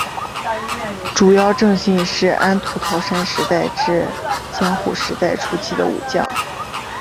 竹腰正信是安土桃山时代至江户时代初期的武将。